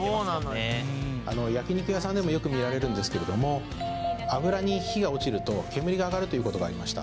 焼肉屋さんでもよく見られるんですけれども脂に火が落ちると煙が上がるという事がありました。